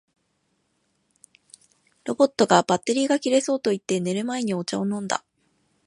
ロボットが「バッテリーが切れそう」と言って、寝る前にお茶を飲んだ